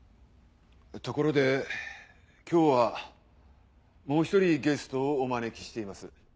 ところで今日はもう１人ゲストをお招きしています。